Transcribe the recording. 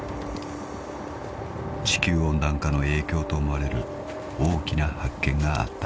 ［地球温暖化の影響と思われる大きな発見があった］